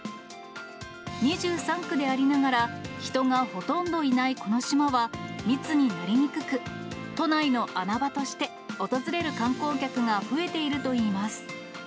２３区でありながら、人がほとんどいないこの島は、密になりにくく、都内の穴場として、訪れる観光客が増えているといいます。